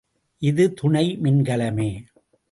இது துணை மின்கலமே.